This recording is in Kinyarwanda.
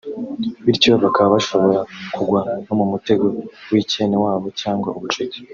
bityo bakaba bashobora kugwa no mu mutego w’icyenewabo cyangwa ubucuti